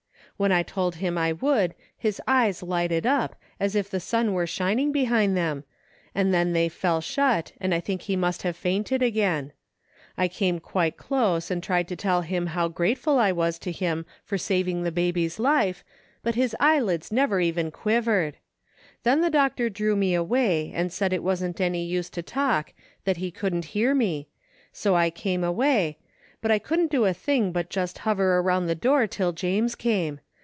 " When I told him I would, his eyes lighted up, as if the sun were shining behind them, and then they fell shut and I think he must have fainted again. I came quite close and tried to tell him how grateful I was to him for saving the baby's life, but his eyelids never even quivered Then the doctor drew me away and said it wasn't any use to talk, that he couldn't hear me, so I came away, but I couldn't do a thing but just hover around the door till James came.